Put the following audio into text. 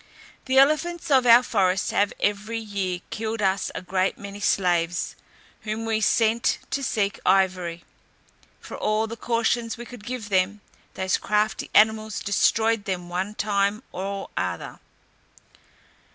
"The elephants of our forest have every year killed us a great many slaves, whom we sent to seek ivory. For all the cautions we could give them, those crafty animals destroyed them one time or other.